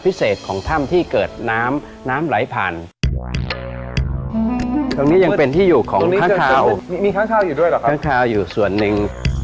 แต่แค่ควรทรมาภ้างหลังสรอยจะอยู่ไหน